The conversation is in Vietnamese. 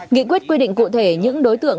nghị quyết quyết định cụ thể những đối tượng